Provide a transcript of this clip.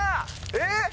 えっ？